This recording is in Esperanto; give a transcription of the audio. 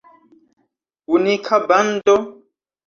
Unika bando?